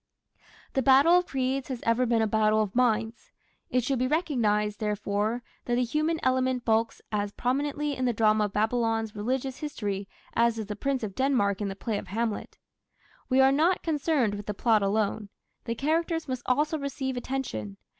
The battle of creeds has ever been a battle of minds. It should be recognized, therefore, that the human element bulks as prominently in the drama of Babylon's religious history as does the prince of Denmark in the play of Hamlet. We are not concerned with the plot alone. The characters must also receive attention.